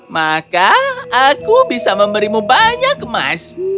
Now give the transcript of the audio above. maka aku bisa memberimu banyak emas